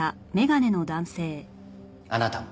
あなたも。